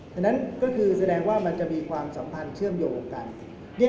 ฉะนั้นก็คือแสดงว่ามันจะมีความสัมพันธ์เชื่อมโยงกัน